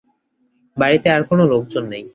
বাড়িতে আর কোনো লোকজন নেই।